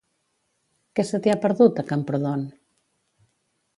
Què se t'hi ha perdut, a Camprodon?